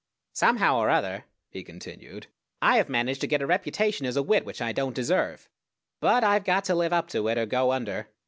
Somehow or other [he continued] I have managed to get a reputation as a wit which I don't deserve; but I've got to live up to it, or go under.